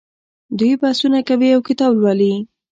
دوی بحثونه کوي او کتاب لوالي.